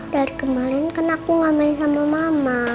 dari kemarin kan aku gak main sama mama